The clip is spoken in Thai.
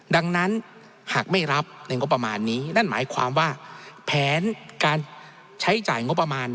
ดังนั้นหากไม่รับในงบประมาณนี้นั่นหมายความว่าแผนการใช้จ่ายงบประมาณ